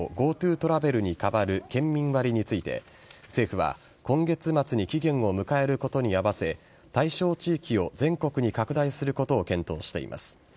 ＧｏＴｏトラベルに代わる県民割について政府は今月末に期限を迎えることに合わせ対象地域を全国に拡大することを検討しています。